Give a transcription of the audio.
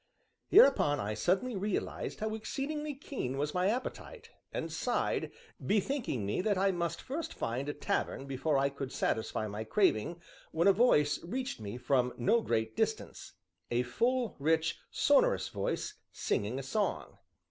Hereupon, I suddenly realized how exceedingly keen was my appetite, and sighed, bethinking me that I must first find a tavern before I could satisfy my craving, when a voice reached me from no great distance, a full, rich, sonorous voice, singing a song.